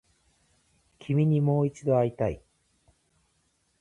君にもう一度会いたい